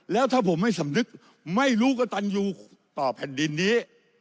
แล้วถ้าผมไม่สำนึกไม่รู้กระตันยูต่อแผ่นดินนี้